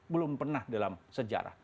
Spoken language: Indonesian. belum pernah dalam sejarah